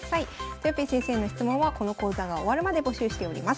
とよぴー先生の質問はこの講座が終わるまで募集しております。